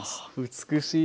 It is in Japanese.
美しい。